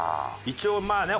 一応まあね